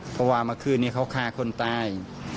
เพราะว่าเมื่อคืนนี้เขาฆ่าคนตาย